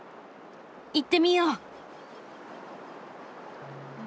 行ってみよう。